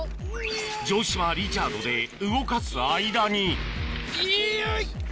城島リチャードで動かす間にいよっ！